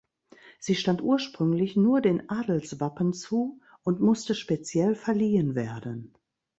Sie stand ursprünglich nur den Adelswappen zu und musste speziell verliehen werden.